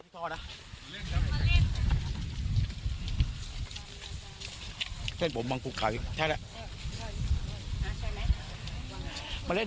เจ้าใจที่ลบไปมาโทรไปดู